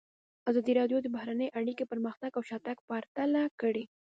ازادي راډیو د بهرنۍ اړیکې پرمختګ او شاتګ پرتله کړی.